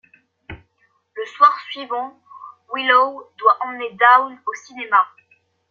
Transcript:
Le soir suivant, Willow doit emmener Dawn au cinéma.